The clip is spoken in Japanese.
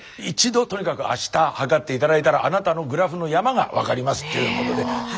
一度とにかくあした測って頂いたらあなたのグラフの山が分かりますっていうことで。